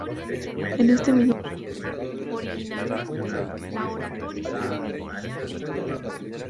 En este mismo capítulo pone de manifiesto los conceptos de infraestructura y superestructura.